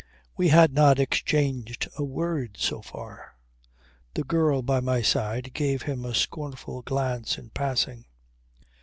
We had not exchanged a word so far. The girl by my side gave him a scornful glance in passing.